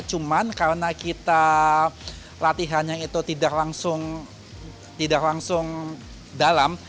cuma karena kita latihannya itu tidak langsung dalam